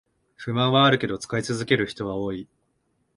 不満はあるけど使い続ける人は多い